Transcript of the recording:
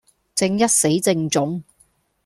正一死剩種